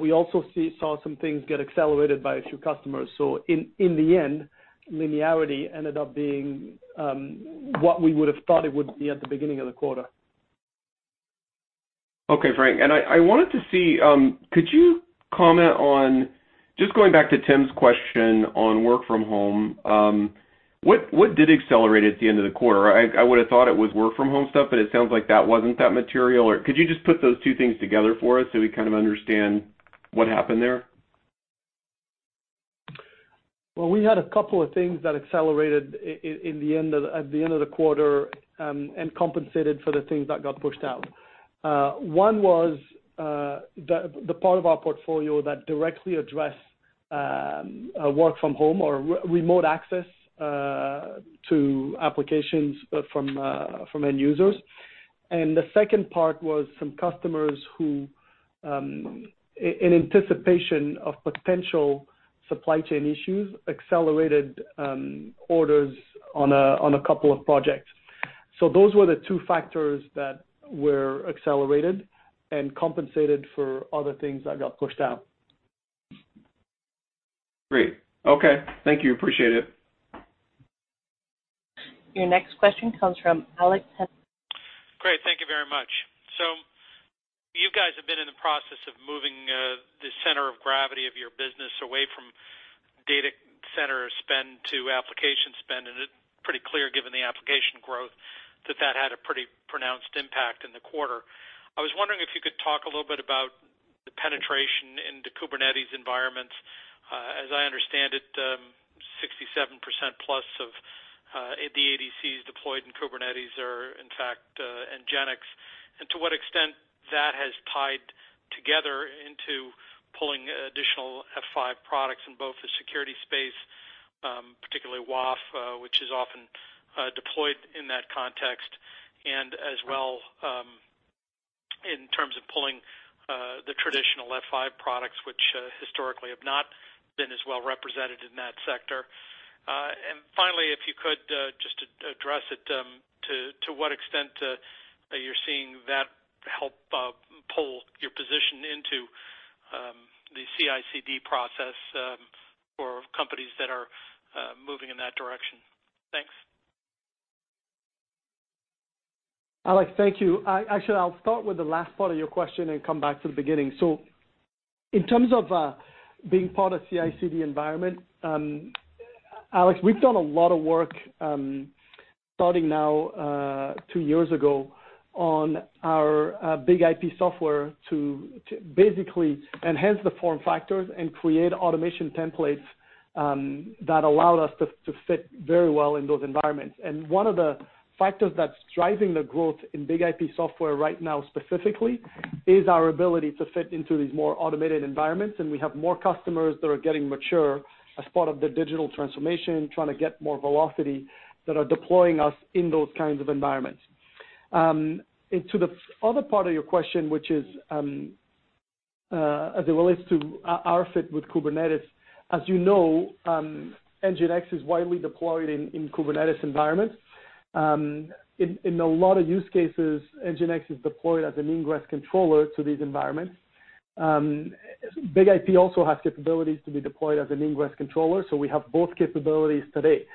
We also saw some things get accelerated by a few customers. In the end, linearity ended up being what we would have thought it would be at the beginning of the quarter. Okay, Frank. I wanted to see, could you comment on, just going back to Tim's question on work from home, what did accelerate at the end of the quarter? I would have thought it was work from home stuff, but it sounds like that wasn't that material. Could you just put those two things together for us so we kind of understand what happened there? Well, we had a couple of things that accelerated at the end of the quarter and compensated for the things that got pushed out. One was the part of our portfolio that directly address work from home or remote access to applications from end users. The second part was some customers who, in anticipation of potential supply chain issues, accelerated orders on a couple of projects. Those were the two factors that were accelerated and compensated for other things that got pushed out. Great. Okay. Thank you. Appreciate it. Your next question comes from Alex. Great. Thank you very much. You guys have been in the process of moving the center of gravity of your business away from data center spend to application spend, and it pretty clear, given the application growth, that that had a pretty pronounced impact in the quarter. I was wondering if you could talk a little bit about the penetration in the Kubernetes environments. As I understand it, 67% plus of the ADCs deployed in Kubernetes are, in fact, NGINX. To what extent that has tied together into pulling additional F5 products in both the security space, particularly WAF, which is often deployed in that context, and as well in terms of pulling the traditional F5 products, which historically have not been as well represented in that sector. Finally, if you could just address it to what extent you're seeing that help pull your position into the CI/CD process for companies that are moving in that direction. Thanks. Alex, thank you. Actually, I'll start with the last part of your question and come back to the beginning. In terms of being part of CI/CD environment, Alex, we've done a lot of work starting now two years ago on our BIG-IP software to basically enhance the form factors and create automation templates that allowed us to fit very well in those environments. One of the factors that's driving the growth in BIG-IP software right now specifically, is our ability to fit into these more automated environments. We have more customers that are getting mature as part of the digital transformation, trying to get more velocity that are deploying us in those kinds of environments. To the other part of your question, which is as it relates to our fit with Kubernetes, as you know, NGINX is widely deployed in Kubernetes environments. In a lot of use cases, NGINX is deployed as an ingress controller to these environments. BIG-IP also has capabilities to be deployed as an ingress controller, so we have both capabilities today.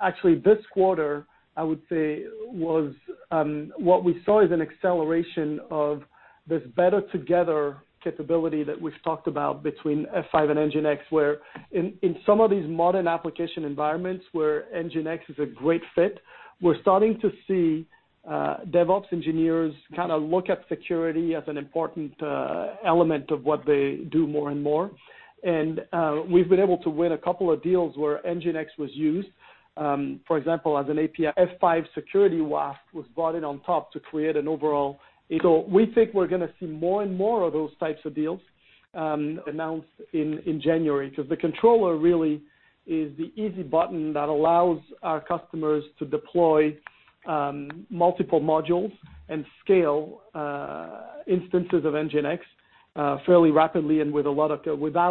Actually, this quarter, I would say, what we saw is an acceleration of this better together capability that we've talked about between F5 and NGINX, where in some of these modern application environments where NGINX is a great fit, we're starting to see DevOps engineers kind of look at security as an important element of what they do more and more. We've been able to win a couple of deals where NGINX was used. For example, as an API, F5 security WAF was brought in on top to create an overall. We think we're going to see more and more of those types of deals announced in January, because the controller really is the easy button that allows our customers to deploy multiple modules and scale instances of NGINX fairly rapidly and without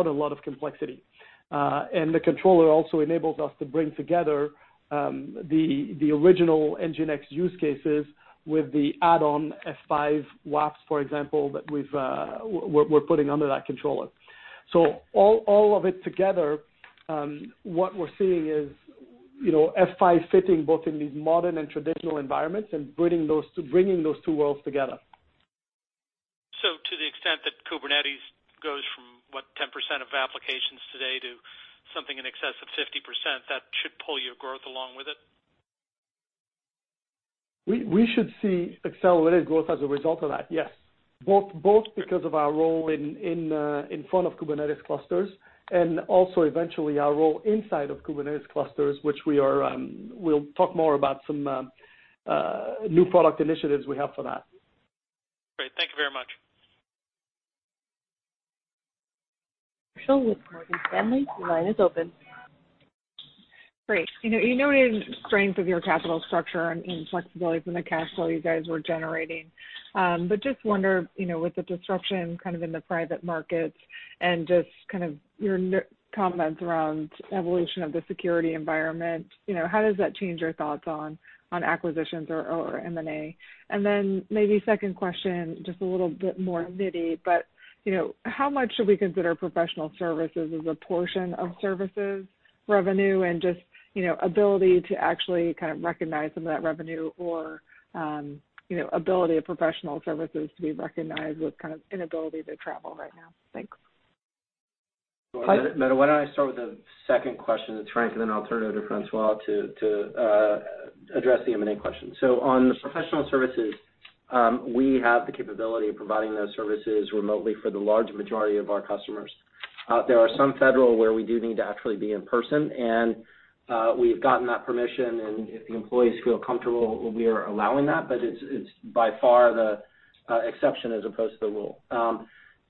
a lot of complexity. The controller also enables us to bring together the original NGINX use cases with the add-on F5 WAF, for example, that we're putting under that controller. All of it together, what we're seeing is F5 fitting both in these modern and traditional environments and bringing those two worlds together. To the extent that Kubernetes goes from, what, 10% of applications today to something in excess of 50%, that should pull your growth along with it? We should see accelerated growth as a result of that, yes. Both because of our role in front of Kubernetes clusters and also eventually our role inside of Kubernetes clusters, which we'll talk more about some new product initiatives we have for that. Great. Thank you very much. with Morgan Stanley, the line is open. Great. You noted strength of your capital structure and flexibility from the cash flow you guys were generating. I just wonder, with the disruption in the private markets and your comments around evolution of the security environment, how does that change your thoughts on acquisitions or M&A? Then maybe second question, just a little bit more nitty, how much should we consider professional services as a portion of services revenue and just ability to actually recognize some of that revenue or ability of professional services to be recognized with inability to travel right now? Thanks. Why don't I start with the second question, Frank, and then I'll turn it to François to address the M&A question. On the professional services, we have the capability of providing those services remotely for the large majority of our customers. There are some U.S. Federal where we do need to actually be in person, and we've gotten that permission, and if the employees feel comfortable, we are allowing that. It's by far the exception as opposed to the rule.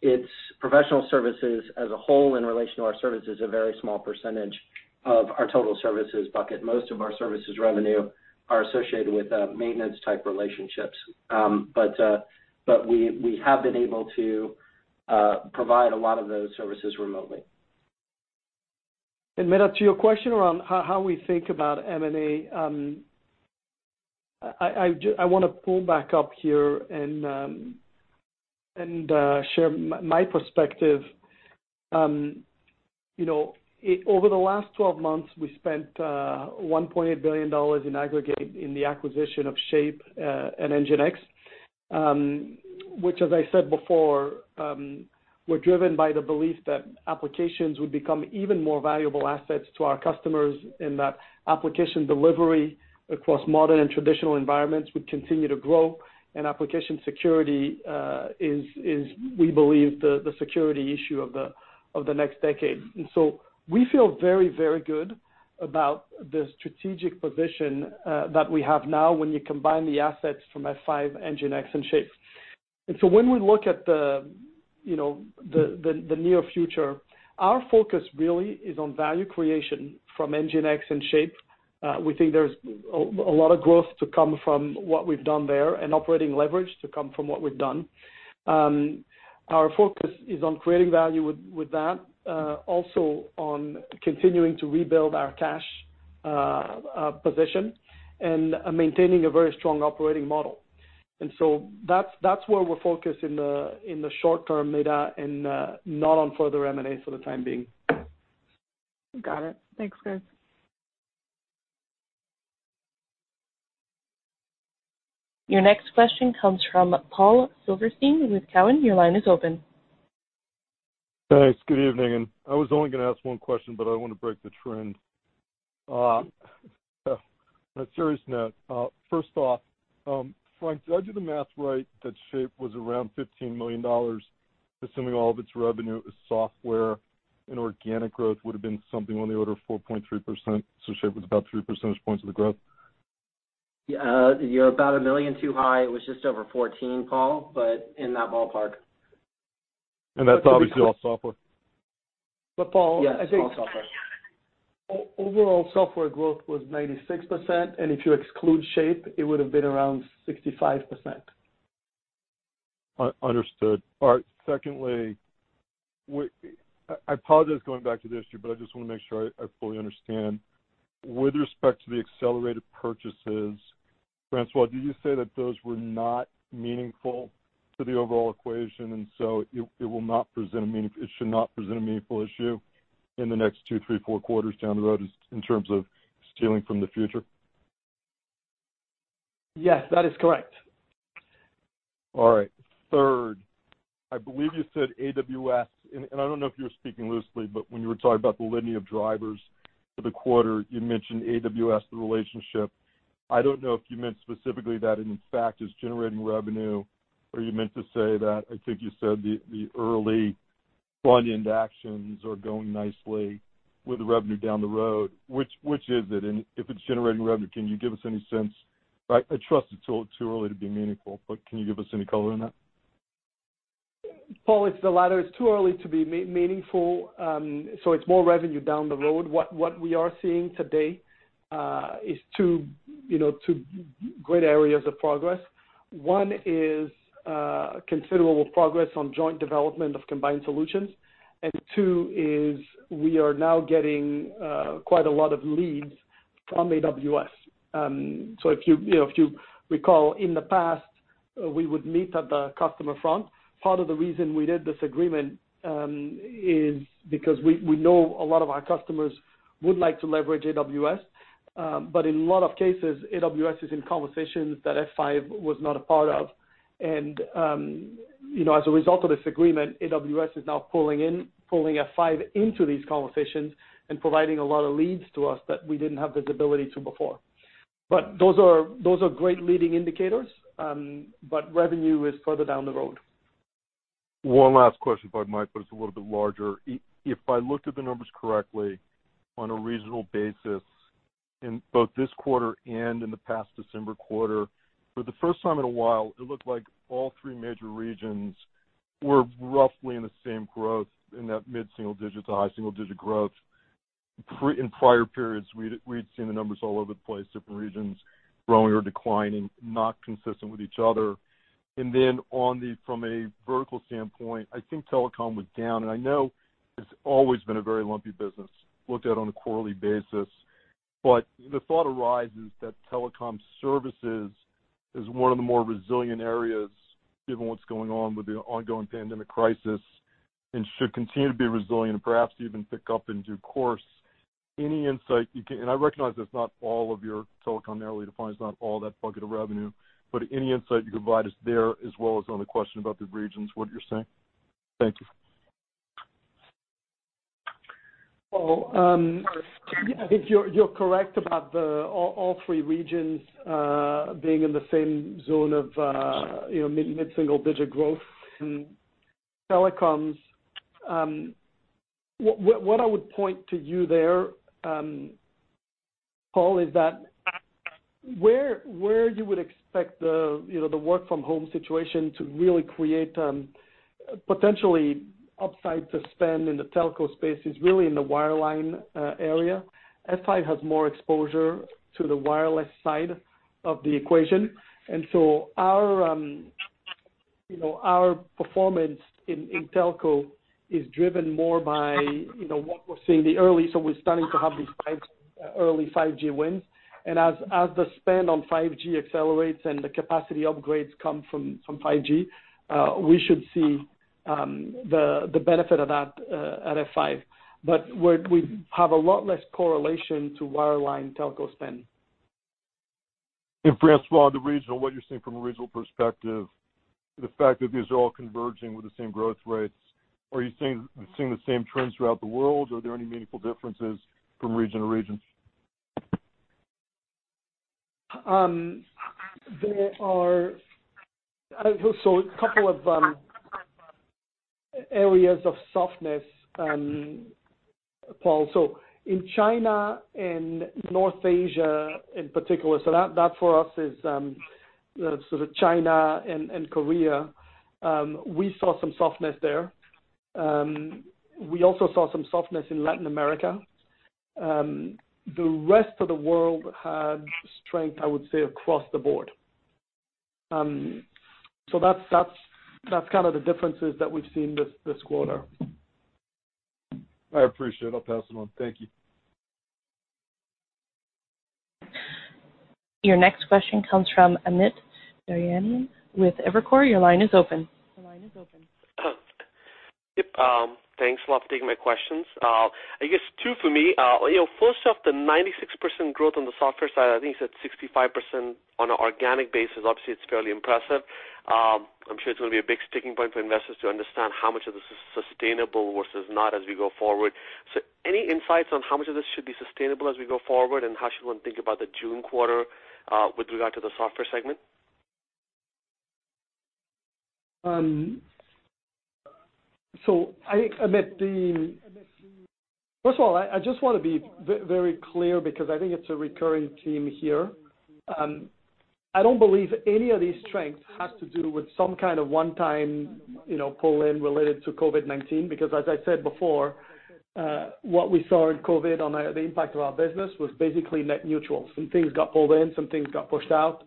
It's professional services as a whole in relation to our services, a very small percentage of our total services bucket. Most of our services revenue are associated with maintenance type relationships. We have been able to provide a lot of those services remotely. Meta, to your question around how we think about M&A, I want to pull back up here and share my perspective. Over the last 12 months, we spent $1.8 billion in aggregate in the acquisition of Shape and NGINX, which as I said before, were driven by the belief that applications would become even more valuable assets to our customers, and that application delivery across modern and traditional environments would continue to grow. Application security is, we believe, the security issue of the next decade. We feel very good about the strategic position that we have now when you combine the assets from F5, NGINX, and Shape. When we look at the near future, our focus really is on value creation from NGINX and Shape. We think there's a lot of growth to come from what we've done there, and operating leverage to come from what we've done. Our focus is on creating value with that, also on continuing to rebuild our cash position, and maintaining a very strong operating model. That's where we're focused in the short term, Meta, and not on further M&As for the time being. Got it. Thanks, guys. Your next question comes from Paul Silverstein with Cowen. Your line is open. Thanks. Good evening. I was only going to ask one question, but I want to break the trend. On a serious note, first off, Frank, did I do the math right that Shape was around $15 million, assuming all of its revenue is software, and organic growth would have been something on the order of 4.3%, so Shape was about three percentage points of the growth? You're about $1 million too high. It was just over $14, Paul, but in that ballpark. That's obviously all software. Paul. Yes, all software. Overall software growth was 96%, and if you exclude Shape, it would have been around 65%. Understood. All right. Secondly, I apologize going back to this, but I just want to make sure I fully understand. With respect to the accelerated purchases, François, did you say that those were not meaningful to the overall equation, and so it should not present a meaningful issue in the next two, three, four quarters down the road in terms of stealing from the future? Yes, that is correct. All right. Third, I believe you said AWS, and I don't know if you were speaking loosely, but when you were talking about the lineage of drivers for the quarter, you mentioned AWS, the relationship. I don't know if you meant specifically that it in fact is generating revenue, or you meant to say that, I think you said the early front-end actions are going nicely with the revenue down the road. Which is it? If it's generating revenue, can you give us any sense? I trust it's too early to be meaningful, but can you give us any color on that? Paul, it's the latter. It's too early to be meaningful. It's more revenue down the road. What we are seeing today is two great areas of progress. One is considerable progress on joint development of combined solutions, and two is we are now getting quite a lot of leads from AWS. If you recall in the past, we would meet at the customer front. Part of the reason we did this agreement is because we know a lot of our customers would like to leverage AWS. In a lot of cases, AWS is in conversations that F5 was not a part of. As a result of this agreement, AWS is now pulling F5 into these conversations and providing a lot of leads to us that we didn't have visibility to before. Those are great leading indicators, but revenue is further down the road. One last question if I might, but it's a little bit larger. If I looked at the numbers correctly on a regional basis in both this quarter and in the past December quarter, for the first time in a while, it looked like all three major regions were roughly in the same growth in that mid-single digit to high single-digit growth. In prior periods, we'd seen the numbers all over the place, different regions growing or declining, not consistent with each other. From a vertical standpoint, I think telecom was down, and I know it's always been a very lumpy business looked at on a quarterly basis. The thought arises that telecom services is one of the more resilient areas given what's going on with the ongoing pandemic crisis and should continue to be resilient and perhaps even pick up in due course. I recognize that's not all of your telecom narrowly defined, it's not all that bucket of revenue, any insight you can provide us there as well as on the question about the regions, what you're seeing? Thank you. Paul, I think you're correct about all three regions being in the same zone of mid-single digit growth in telecoms. What I would point to you there, Paul, is that where you would expect the work-from-home situation to really create potentially upside to spend in the telco space is really in the wireline area. F5 has more exposure to the wireless side of the equation. Our performance in telco is driven more by what we're seeing. We're starting to have these early 5G wins. As the spend on 5G accelerates and the capacity upgrades come from 5G, we should see the benefit of that at F5. We have a lot less correlation to wireline telco spend. François, on the regional, what you're seeing from a regional perspective, the fact that these are all converging with the same growth rates, are you seeing the same trends throughout the world? Are there any meaningful differences from region to region? There are a couple of areas of softness, Paul. In China and North Asia in particular, so that for us is sort of China and Korea, we saw some softness there. We also saw some softness in Latin America. The rest of the world had strength, I would say, across the board. That's kind of the differences that we've seen this quarter. I appreciate it. I'll pass it on. Thank you. Your next question comes from Amit Daryanani with Evercore. Your line is open. Yep. Thanks a lot for taking my questions. I guess two for me. First off, the 96% growth on the software side, I think you said 65% on an organic basis. Obviously, it's fairly impressive. I'm sure it's going to be a big sticking point for investors to understand how much of this is sustainable versus not as we go forward. Any insights on how much of this should be sustainable as we go forward, and how should one think about the June quarter with regard to the software segment? Amit, first of all, I just want to be very clear, because I think it's a recurring theme here. I don't believe any of these strengths has to do with some kind of one-time pull-in related to COVID-19, because as I said before, what we saw in COVID on the impact of our business was basically net neutral. Some things got pulled in, some things got pushed out,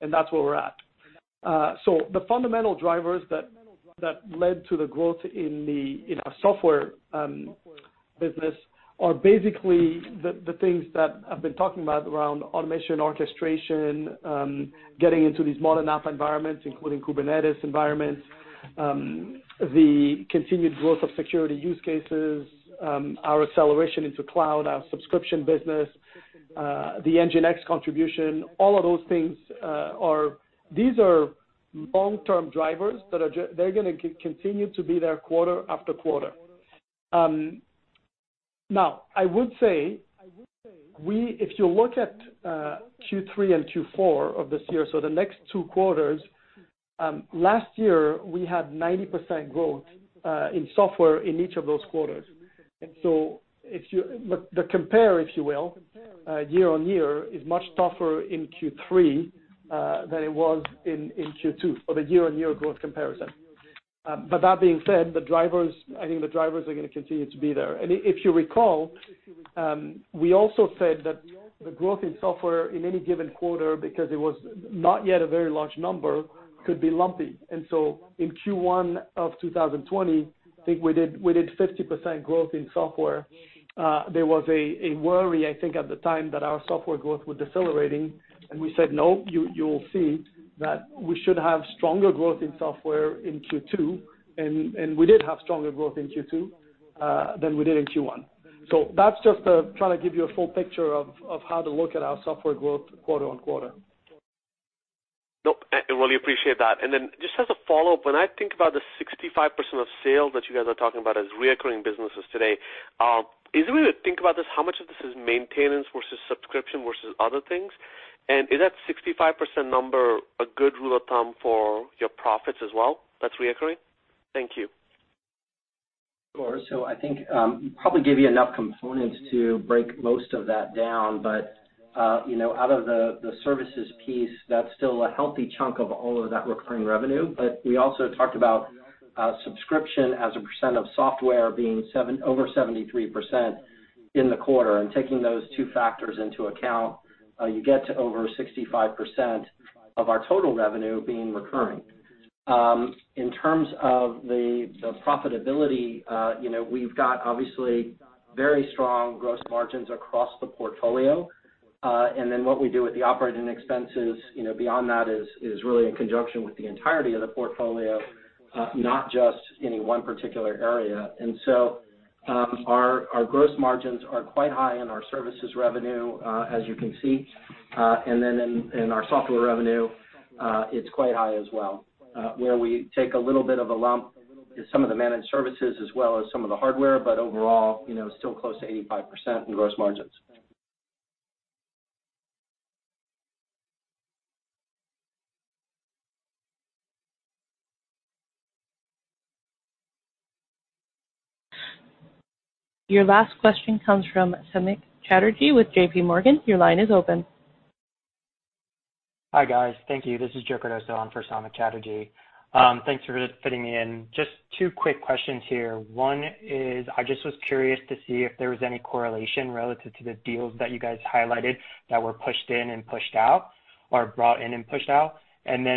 and that's where we're at. The fundamental drivers that led to the growth in our software business are basically the things that I've been talking about around automation, orchestration, getting into these modern app environments, including Kubernetes environments, the continued growth of security use cases, our acceleration into cloud, our subscription business, the NGINX contribution. All of those things are long-term drivers that are going to continue to be there quarter after quarter. I would say, if you look at Q3 and Q4 of this year, so the next two quarters, last year, we had 90% growth in software in each of those quarters. The compare, if you will, year-on-year is much tougher in Q3 than it was in Q2 for the year-on-year growth comparison. That being said, I think the drivers are going to continue to be there. If you recall, we also said that the growth in software in any given quarter, because it was not yet a very large number, could be lumpy. In Q1 of 2020, I think we did 50% growth in software. There was a worry, I think, at the time that our software growth was decelerating, and we said, no, you will see that we should have stronger growth in software in Q2. We did have stronger growth in Q2 than we did in Q1. That's just to try to give you a full picture of how to look at our software growth quarter on quarter. Nope, I really appreciate that. Just as a follow-up, when I think about the 65% of sales that you guys are talking about as recurring businesses today, is there a way to think about this, how much of this is maintenance versus subscription versus other things? Is that 65% number a good rule of thumb for your profits as well, that's recurring? Thank you. Sure. I think we probably gave you enough components to break most of that down. Out of the services piece, that's still a healthy chunk of all of that recurring revenue. We also talked about subscription as a % of software being over 73% in the quarter. Taking those two factors into account, you get to over 65% of our total revenue being recurring. In terms of the profitability, we've got obviously very strong gross margins across the portfolio. What we do with the operating expenses beyond that is really in conjunction with the entirety of the portfolio, not just any one particular area. Our gross margins are quite high in our services revenue, as you can see. In our software revenue, it's quite high as well. Where we take a little bit of a lump is some of the managed services as well as some of the hardware. Overall, still close to 85% in gross margins. Your last question comes from Samik Chatterjee with J.P. Morgan. Your line is open. Hi guys. Thank you. This is Joseph Cardoso on for Samik Chatterjee. Thanks for fitting me in. Just two quick questions here. One is, I just was curious to see if there was any correlation relative to the deals that you guys highlighted that were pushed in and pushed out, or brought in and pushed out.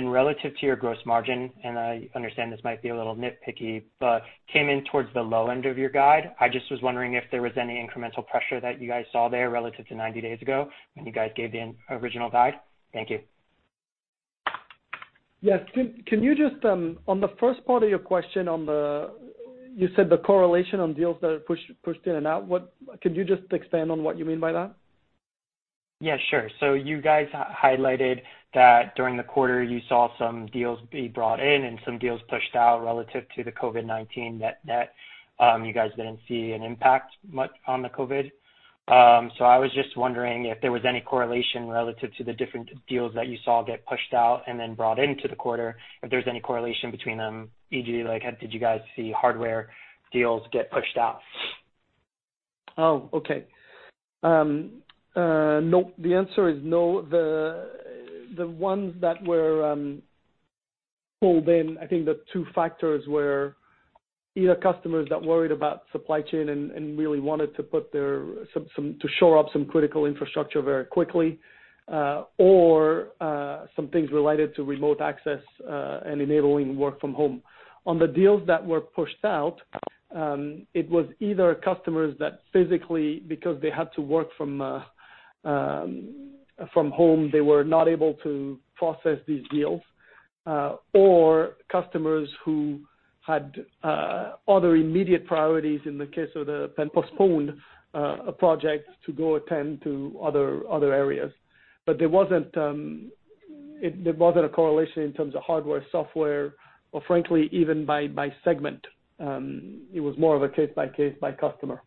Relative to your gross margin, and I understand this might be a little nitpicky, but came in towards the low end of your guide. I just was wondering if there was any incremental pressure that you guys saw there relative to 90 days ago when you guys gave the original guide. Thank you. Yes. On the first part of your question, you said the correlation on deals that are pushed in and out. Could you just expand on what you mean by that? Yeah, sure. You guys highlighted that during the quarter, you saw some deals be brought in and some deals pushed out relative to the COVID-19, that you guys didn't see an impact much on the COVID. I was just wondering if there was any correlation relative to the different deals that you saw get pushed out and then brought into the quarter, if there's any correlation between them, e.g., like did you guys see hardware deals get pushed out? Oh, okay. No. The answer is no. The ones that were pulled in, I think the two factors were either customers that worried about supply chain and really wanted to shore up some critical infrastructure very quickly, or some things related to remote access, and enabling work from home. On the deals that were pushed out, it was either customers that physically, because they had to work from home, they were not able to process these deals. Or customers who had other immediate priorities in the case of the postponed projects to go attend to other areas. There wasn't a correlation in terms of hardware, software, or frankly, even by segment. It was more of a case by case by customer.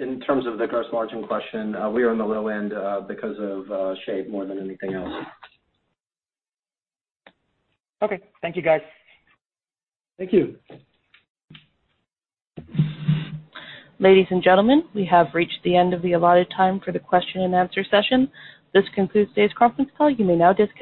In terms of the gross margin question, we are on the low end, because of Shape more than anything else. Okay. Thank you, guys. Thank you. Ladies and gentlemen, we have reached the end of the allotted time for the question and answer session. This concludes today's conference call. You may now disconnect.